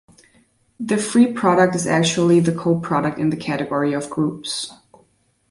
The free product is actually the coproduct in the category of groups.